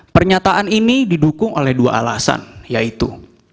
pernyataan ini didukung oleh dua alasan yaitu